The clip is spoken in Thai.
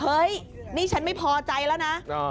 เฮ้ยนี่ฉันไม่พอใจแล้วนะ